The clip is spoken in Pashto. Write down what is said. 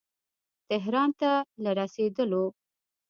تهران ته له رسېدلو.